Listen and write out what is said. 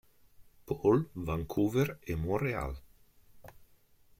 Paul, Vancouver e Montréal.